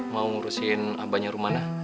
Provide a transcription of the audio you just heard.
mau ngurusin abahnya rumana